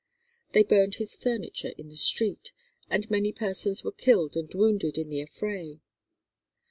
They burned his furniture in the street, and many persons were killed and wounded in the affray.